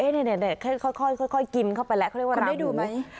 เนี่ยค่อยกินเข้าไปแล้วคือเรามรู